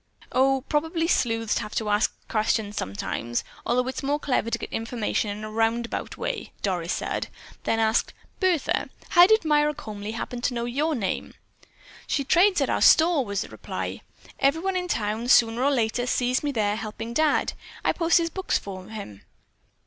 "O, probably sleuths have to ask questions sometimes, although it's more clever to get information in a round about way," Doris said; then asked: "Bertha, how did Myra Comely happen to know your name?" "She trades at our store," was the reply. "Everyone in town, sooner or later, sees me in there helping Dad. I post his books for him."